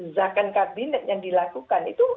zakon kabinet yang dilakukan itu